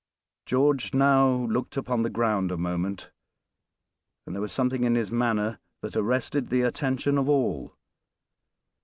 George now looked upon the ground a moment; and there was something in his manner that arrested the attention of all.